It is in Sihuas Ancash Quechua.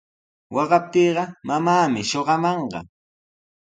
Waqaptiiqa mamaami shuqamanqa.